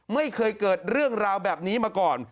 ไม่เคยเกิดเรื่องราวแบบนี้มาก่อน